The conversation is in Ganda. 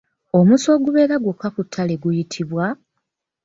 Omusu ogubeera gwokka mu ttale guyitibwa?